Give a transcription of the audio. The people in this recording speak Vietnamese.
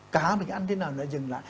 cá mình ăn thế nào là dừng lại